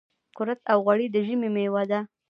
کورت او غوړي د ژمي مېوه ده .